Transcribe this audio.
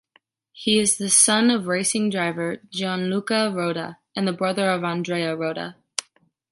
He is the son of the racing driver Gianluca Roda, and brother of Andrea Roda.